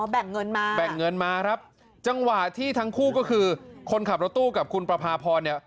แบ่งเงินมาแบ่งเงินมาครับจังหวะที่ทั้งคู่ก็คือคนขับรถตู้กับคุณประพาพรเนี่ย